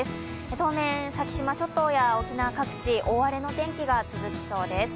当面、先島諸島や沖縄各地、大荒れの天気が続きそうです。